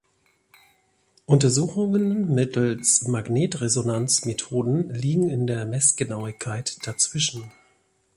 Untersuchungen mittels Magnetresonanz-Methoden liegen in der Messgenauigkeit dazwischen.